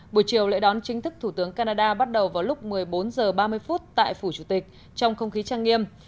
buổi chiều lễ đón chính thức thủ tướng canada bắt đầu vào lúc một mươi bốn h ba mươi phút tại phủ chủ tịch trong không khí trang nghiêm